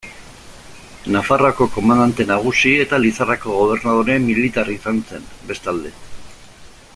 Nafarroako komandante nagusi eta Lizarrako gobernadore militar izan zen, bestalde.